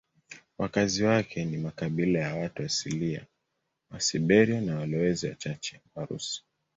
Wakazi wake ni makabila ya watu asilia wa Siberia na walowezi wachache Warusi.